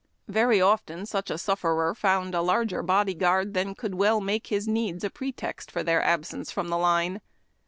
Very often such a sufferer found a larger body guard than could well make his needs a pretext for their absence from the line.